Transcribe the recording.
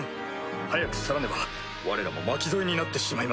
早く去らねばわれらも巻き添えになってしまいまする。